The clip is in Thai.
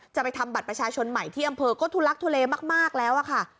จะไปทำบัตรประชาชนใหม่ที่อำเภอก็ทุลักทุเลมากแล้วค่ะ